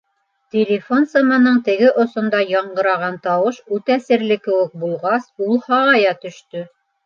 - Телефон сымының теге осонда яңғыраған тауыш үтә серле кеүек булғас, ул һағая төштө.